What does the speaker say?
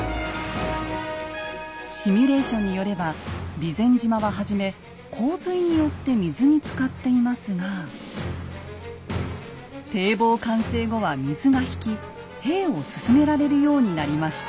シミュレーションによれば備前島は初め洪水によって水につかっていますが堤防完成後は水が引き兵を進められるようになりました。